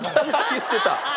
言ってた。